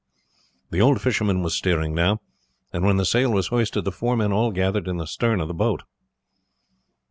The old fisherman was steering now, and when the sail was hoisted the four men all gathered in the stern of the boat.